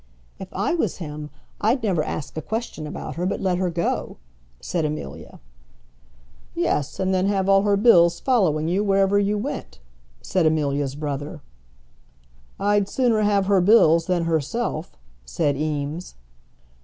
"If I was him I'd never ask a question about her, but let her go," said Amelia. "Yes; and then have all her bills following you, wherever you went," said Amelia's brother. "I'd sooner have her bills than herself," said Eames.